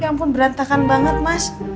ya ampun berantakan banget mas